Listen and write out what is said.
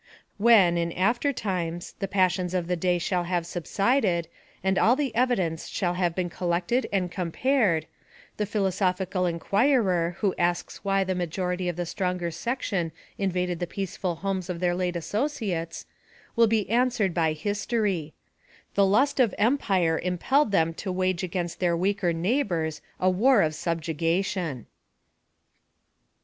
When, in after times, the passions of the day shall have subsided, and all the evidence shall have been collected and compared, the philosophical inquirer, who asks why the majority of the stronger section invaded the peaceful homes of their late associates, will be answered by History: "The lust of empire impelled them to wage against their weaker neighbors a war of subjugation."